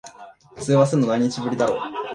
通話するの、何日ぶりだろ。